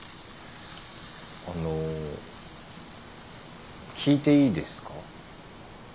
あの聞いていいですか？